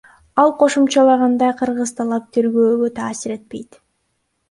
Ал кошумчалагандай, кыргыз тарап тергөөгө таасир этпейт.